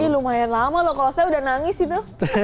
ini lumayan lama loh kalau saya udah nangis itu